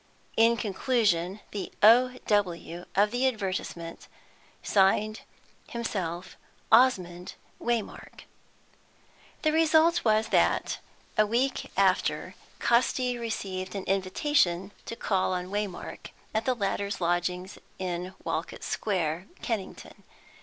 In conclusion, the "O. W." of the advertisement signed himself Osmond Waymark. The result was that, a week after, Casti received an invitation to call on Waymark, at the latter's lodgings in Walcot Square, Kennington.